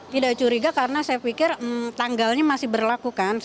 tidak curiga karena saya pikir tanggalnya masih berlaku kan